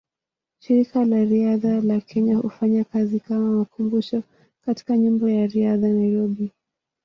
Shirika la Riadha la Kenya hufanya kazi kama makumbusho katika Nyumba ya Riadha, Nairobi.